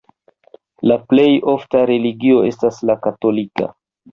La plej ofta religio estas la katolika.